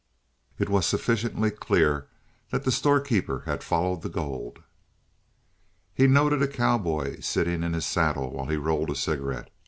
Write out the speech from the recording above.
It was sufficiently clear that the storekeeper had followed the gold. He noted a cowboy sitting in his saddle while he rolled a cigarette.